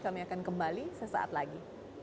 kami akan kembali sesaat lagi